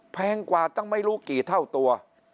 แพงกว่าตั้งไม่รู้กี่เท่าตัว